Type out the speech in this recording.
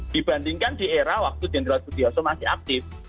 dibandingkan di era waktu jenderal sudioso masih aktif